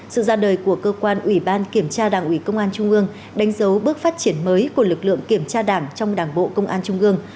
sự ra đời của cơ quan ủy ban kiểm tra đảng ủy công an trung ương đánh dấu bước phát triển mới của lực lượng kiểm tra đảng trong đảng bộ công an trung ương